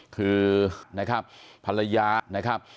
คือนะครับภรรยานะครับ